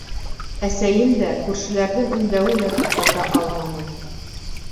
Әсәйем дә, күршеләрҙең өндәүе лә туҡтата алманы.